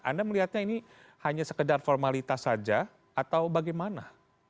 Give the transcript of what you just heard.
anda melihatnya ini hanya sekedar formalitas saja atau bagaimana